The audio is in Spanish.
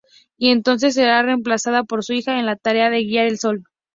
Y entonces será reemplazada por su hija en la tarea de guiar el Sol.